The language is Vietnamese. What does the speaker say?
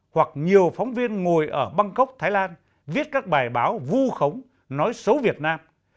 hoặc nhiều phóng viên ngồi ở bangkok thái lan viết các bài báo vu khống nói xấu việt nam